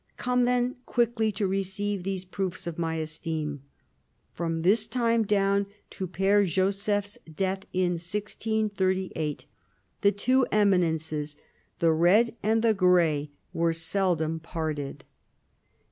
Come then quickly to re ceive these proofs of my esteem." From this time down to Pfere Joseph's death, in 1638, the two Eminences, the Red and the Grey, were seldom parted.